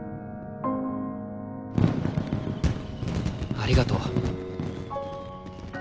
ありがとう。